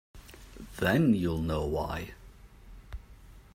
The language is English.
Then you’ll know why.